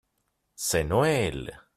c'est Noël.